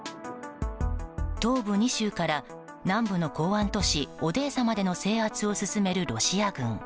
東部２州から南部の港湾都市オデーサまでの制圧を進めるロシア軍。